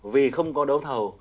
vì không có đấu thầu